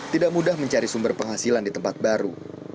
tidak mudah mencari sumber penghasilan di tempat baru